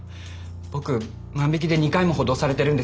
僕万引きで２回も補導されてるんです。